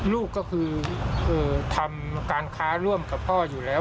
ลูกก็คือทำการค้าร่วมกับพ่ออยู่แล้ว